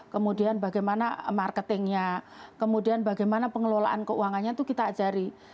kemudian bagaimana marketingnya kemudian bagaimana pengelolaan keuangannya itu kita ajari